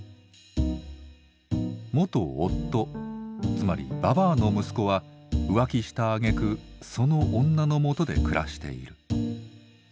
元夫つまりばばあの息子は浮気したあげくその女のもとで暮らしている。